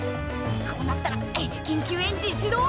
こうなったら緊急エンジン始動！